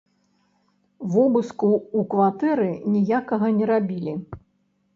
Вобыску ў кватэры ніякага не рабілі.